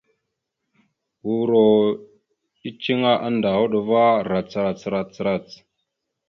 Uuro eceŋé annda a hoɗ va rac rac rac.